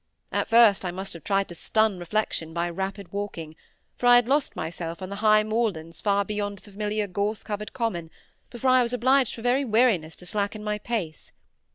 At first I must have tried to stun reflection by rapid walking, for I had lost myself on the high moorlands far beyond the familiar gorse covered common, before I was obliged for very weariness to slacken my pace.